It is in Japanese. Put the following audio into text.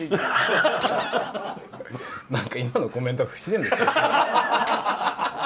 何か今のコメントは不自然でしたね。